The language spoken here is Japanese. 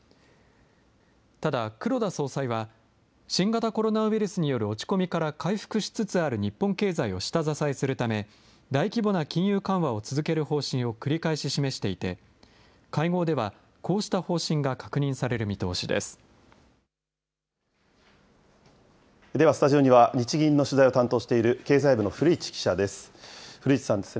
ただ、黒田総裁は、新型コロナウイルスによる落ち込みから回復しつつある日本経済を下支えするため、大規模な金融緩和を続ける方針を繰り返し示していて、会合ではこうした方針が確認される見通ではスタジオには、日銀の取材を担当している経済部の古市記者です。